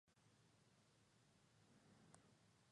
Evolución demográfica en los últimos años.